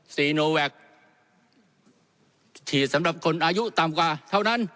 ซีโนแวคฉีดสำหรับคนอายุต่ำกว่าเท่านั้น